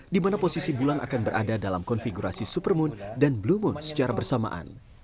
di mana posisi bulan akan berada dalam konfigurasi supermoon dan blue moon secara bersamaan